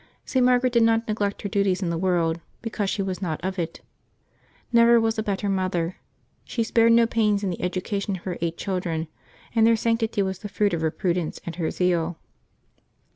St. Margaret did not neglect her duties in the world because she was not of it. Never was a better mother. She spared no pains in the education of her eight children, and their sanctity was the fruit of her prudence and her zeal.